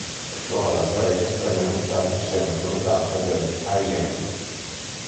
Lo show a Las Vegas venne annunciato insieme con le date del "I Am...